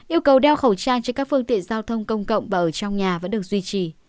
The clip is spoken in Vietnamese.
yêu cầu đeo khẩu trang cho các phương tiện giao thông công cộng và ở trong nhà vẫn được duy trì